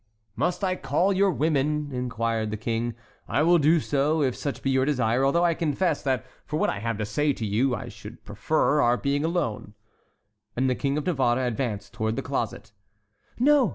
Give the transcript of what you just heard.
"Must I call your women?" inquired the king. "I will do so if such be your desire, although I confess that for what I have to say to you I should prefer our being alone;" and the King of Navarre advanced towards the closet. "No!"